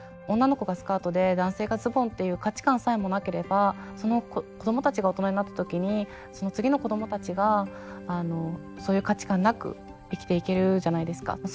女の子がスカートで男性がズボンっていう価値観さえもなければその子どもたちが大人になった時にその次の子どもたちがそういう価値観なく生きていけるじゃないですか。